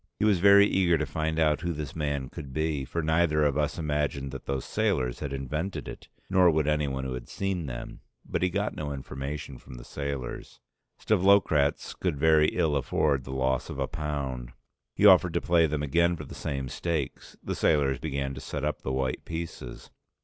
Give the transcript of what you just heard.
He was very eager to find out who this man could be, for neither of us imagined that those sailors had invented it, nor would anyone who had seen them. But he got no information from the sailors. Stavlokratz could very ill afford the loss of a pound. He offered to play them again for the same stakes. The sailors began to set up the white pieces.